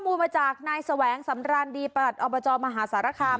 มูลมาจากนายแสวงสำรานดีประหลัดอบจมหาสารคาม